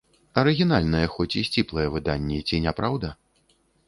Арыгінальнае, хоць і сціплае выданне, ці не праўда?